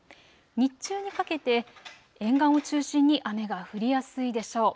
日中にかけて沿岸を中心に雨が降りやすいでしょう。